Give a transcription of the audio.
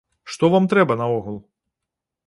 Што вам трэба наогул?